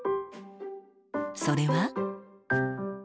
それは。